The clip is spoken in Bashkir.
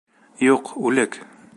Юҡ, үлек!